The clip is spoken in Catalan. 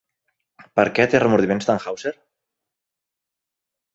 Per què té remordiments Tannhäuser?